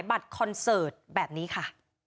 ขายบัตรคอนเสิร์ตแบบนี้ค่ะ